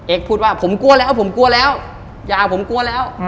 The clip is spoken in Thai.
พูดว่าผมกลัวแล้วผมกลัวแล้วอย่าผมกลัวแล้ว